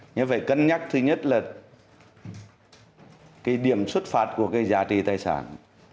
nhưng phải cân nhắc thứ nhất là cái điểm xuất phạt của cái giá trị tài sản